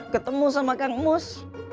ketemu sama kang mus